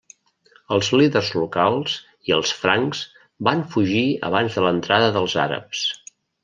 Els líders locals i els francs van fugir abans de l'entrada dels àrabs.